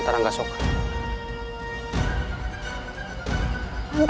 kita akan mencoba untuk mencoba